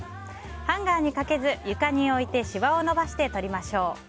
ハンガーにかけず、床に置いてしわを伸ばして撮りましょう。